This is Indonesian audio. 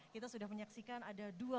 kita sudah menyaksikan ada dua